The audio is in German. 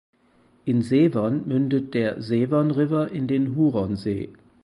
In Severn mündet der Severn River in den Huronsee.